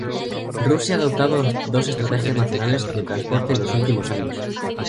Rusia ha adoptado dos estrategias nacionales de transporte en los últimos años.